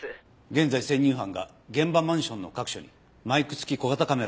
現在潜入班が現場マンションの各所にマイク付き小型カメラを仕掛けている。